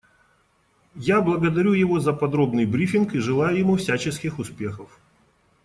Я благодарю его за подробный брифинг и желаю ему всяческих успехов.